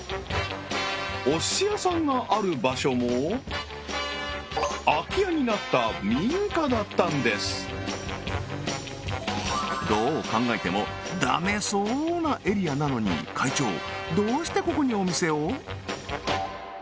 おすし屋さんがある場所も空き家になった民家だったんですどう考えてもダメそうなエリアなのに会長どうしてここにお店を？